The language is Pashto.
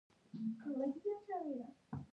زرغونه کاکړه د ملا دین محمد کاکړ لور وه.